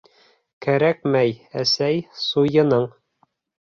— Кәрәкмәй, әсәй, суйының.